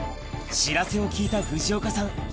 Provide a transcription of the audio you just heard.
知らせを聞いた藤岡さん